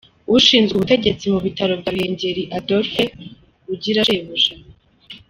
Ushinzwe ubutegetsi mu bitaro bya Ruhengeri Adolphe Ugirashebuja.